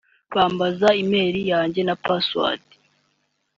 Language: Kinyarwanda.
Bambaza E-mail yanjye na Password